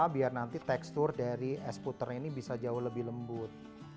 biar nanti tekstur dari es puter ini bisa jauh lebih lembut